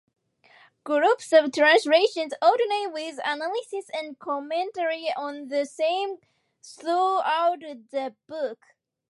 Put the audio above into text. Groups of translations alternate with analysis and commentary on the same throughout the book.